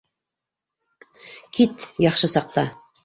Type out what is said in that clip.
- Кит. Яҡшы саҡта.